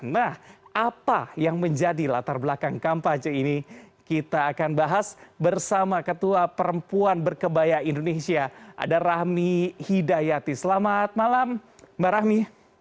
nah apa yang menjadi latar belakang kampanye ini kita akan bahas bersama ketua perempuan berkebaya indonesia ada rahmi hidayati selamat malam mbak rahmi